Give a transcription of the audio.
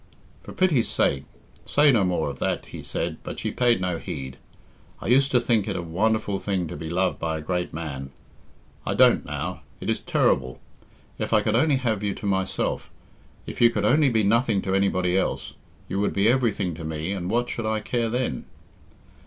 "For pity's sake, say no more of that," he said, but she paid no heed. "I used to think it a wonderful thing to be loved by a great man. I don't now. It is terrible. If I could only have you to myself! If you could only be nothing to anybody else! You would be everything to me, and what should I care then?"